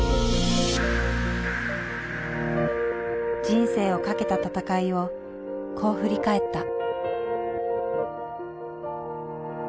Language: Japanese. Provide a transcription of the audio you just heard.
人生をかけた闘いをこう振り返った。